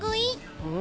うん。